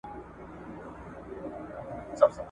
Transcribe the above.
پر اوږو مي ژوندون بار دی ورځي توري، شپې اوږدې دي !.